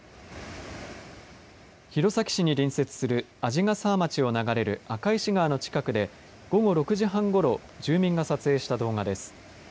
弘前市に隣接する鰺ヶ沢町を流れる赤石川の近くで午後６時半ごろ住民が撮影した動画です。